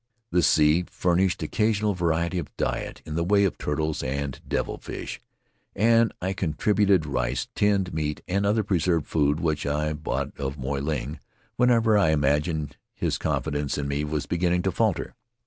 A Debtor of Moy Ling The sea furnished ocasional variety of diet in the way of turtles and devilfish; and I contributed rice, tinned meat, and other preserved food which I bought of Moy Ling whenever I imagined his confidence in me was beginning to falter.